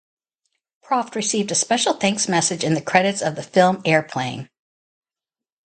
Proft received a special thanks message in the credits of the film Airplane!